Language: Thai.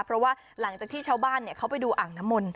เพราะว่าหลังจากที่ชาวบ้านเขาไปดูอ่างน้ำมนต